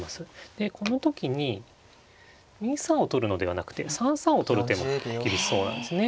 でこの時に２三を取るのではなくて３三を取る手も厳しそうなんですね。